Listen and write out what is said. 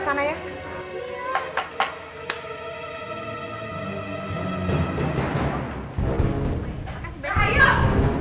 kamu nyuri buah buahan